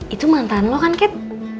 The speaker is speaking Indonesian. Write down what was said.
itu mantan lo kan kep